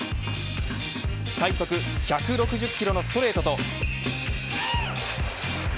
最速１６０キロのストレートと。